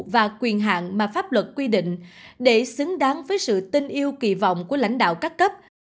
và quyền hạn mà pháp luật quy định để xứng đáng với sự tinh yêu kỳ vọng của lãnh đạo các cấp